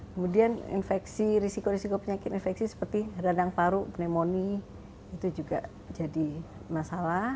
kemudian infeksi risiko risiko penyakit infeksi seperti radang paru pneumonia itu juga jadi masalah